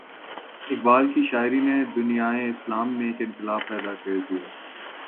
اقبال کی شاعری نے دنیائے اسلام میں ایک انقلاب پیدا کر دیا۔